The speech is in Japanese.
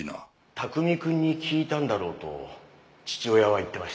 卓海くんに聞いたんだろうと父親は言ってました。